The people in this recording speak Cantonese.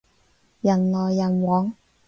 人來人往